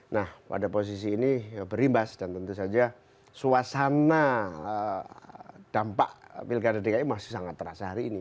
nah pada posisi ini berimbas dan tentu saja suasana dampak pilkada dki masih sangat terasa hari ini